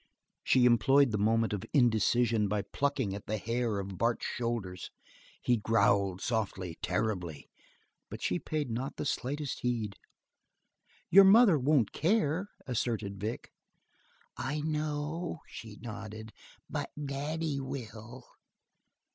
She employed the moment of indecision by plucking at the hair of Bart's shoulders; he growled softly, terribly, but she paid not the slightest heed. "Your mother won't care," asserted Vic. "I know," she nodded, "but Daddy will."